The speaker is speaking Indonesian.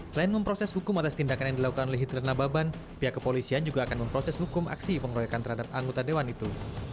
selain memproses hukum atas tindakan yang dilakukan oleh hitler nababan pihak kepolisian juga akan memproses hukum aksi pengeroyokan terhadap anggota dewan itu